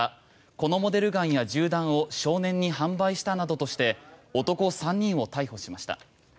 このモデルガンや銃弾を少年に販売したなどとして男３人を逮捕しました。